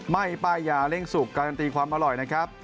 ้ป้ายยาเร่งสุกการันตีความอร่อยนะครับ